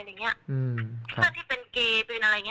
แล้วเขาก็เหมือนแบบไม่เหลืออะไรเนี่ยนะตัวคนเดียว